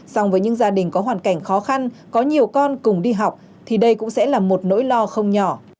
xong với những gia đình có hoàn cảnh khó khăn có nhiều con cùng đi học thì đây cũng sẽ là một nỗi lo không nhỏ